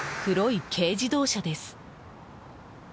黒い軽自動車です。